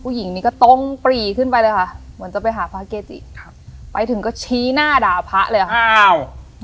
หญิงนี้ก็ตรงปรีขึ้นไปเลยค่ะเหมือนจะไปหาพระเกจิครับไปถึงก็ชี้หน้าด่าพระเลยค่ะอ้าว